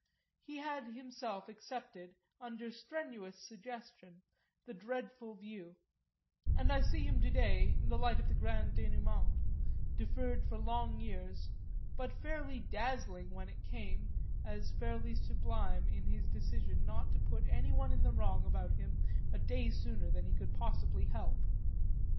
He had himself accepted, under strenuous suggestion, the dreadful view, and I see him to day, in the light of the grand dénouement, deferred for long years, but fairly dazzling when it came, as fairly sublime in his decision not to put anyone in the wrong about him a day sooner than he could possibly help.